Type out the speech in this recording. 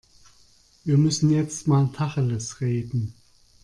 Wir müssen jetzt mal Tacheles reden.